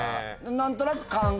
何となく。